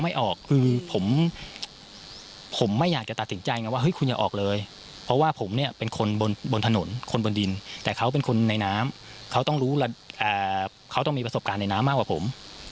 แต่เขาต้องมีประสบการณ์ในน้ำมากกว่าผม